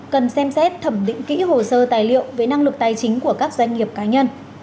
cần xem xét thẩm định kỹ hồ sơ tài liệu về năng lực tài chính của các doanh nghiệp cá nhân